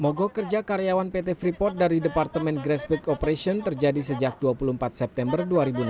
mogok kerja karyawan pt freeport dari departemen gras big operation terjadi sejak dua puluh empat september dua ribu enam belas